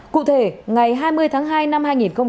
cụ thể ngày hai mươi tháng hai năm hai nghìn hai mươi